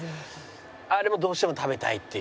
あれもどうしても食べたいっていう。